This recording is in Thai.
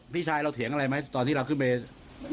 พี่ชายเราเถียงอะไรไหมตอนที่เราขึ้นไป